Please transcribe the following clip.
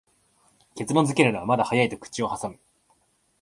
結論づけるのはまだ早いと口をはさむ